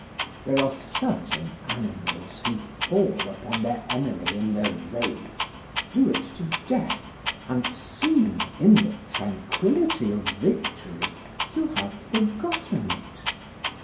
There are certain animals who fall upon their enemy in their rage, do it to death, and seem in the tranquillity of victory to have forgotten it.